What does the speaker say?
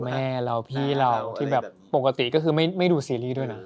แม่เราพี่เราที่แบบปกติก็คือไม่ดูซีรีส์ด้วยนะ